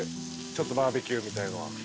ちょっとバーベキューみたいのは。